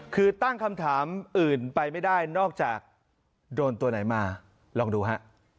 คือตั้งคำถามอื่นไปไม่ได้นอกจากโดนตัวไหนมาลองดูฮะ